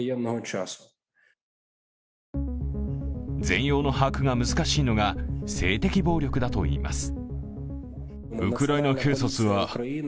全容の把握が難しいのが性的暴力だといいます。